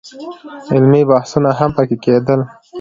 علمي بحثونه هم په کې کېدل.